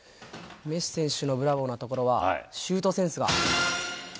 メッシ選手のブラボーなとこシュートセンス？